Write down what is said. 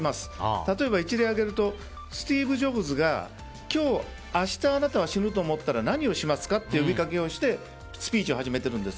例えば一例挙げるとスティーブ・ジョブズが今日、明日あなたは死ぬと思ったら何をしますかという呼びかけをしてスピーチを始めてるんです。